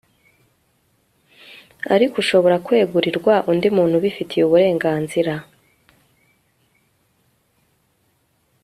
ariko ushobora kwegurirwa undi muntu ubifitiye uburenganzira